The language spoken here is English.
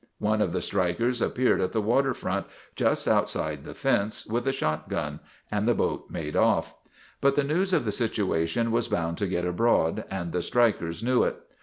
One of the strikers appeared at the water front, just outside the fence, with a shotgun, and the boat made off. But the news of the situation was bound to get abroad, and the strikers knew it.